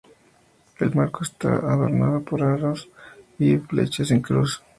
El marco está adornado por arcos y flechas en cruz.